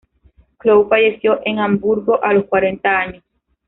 Clough falleció en Hamburgo a los cuarenta años.